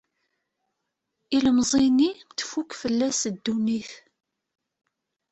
Ilemẓi-nni tfukk fell-as ddunit.